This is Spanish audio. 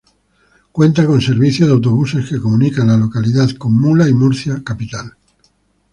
Cuenta con servicio de autobuses que comunican la localidad con Mula y Murcia capital.